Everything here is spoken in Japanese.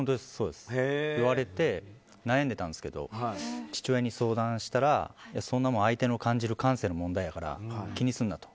悩んでたんですけど父親に相談したらそんなのは相手の感じる感性の問題だから気にすんなと。